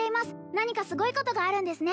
何かすごいことがあるんですね